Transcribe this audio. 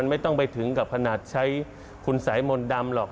ไม่ต้องไปถึงกับขนาดใช้คุณสายมนต์ดำหรอก